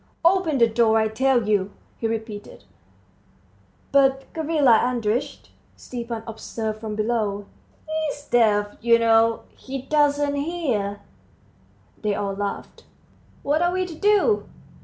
"Open the door, I tell you," he repeated. "But, Gavrila Andreitch," Stepan observed from below, "he's deaf, you know he doesn't hear." They all laughed. "What are we to do?"